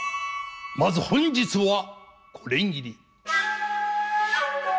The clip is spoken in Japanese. まず本日はこれぎり。